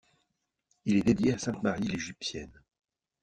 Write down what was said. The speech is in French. Il est dédié à sainte Marie l'Égyptienne.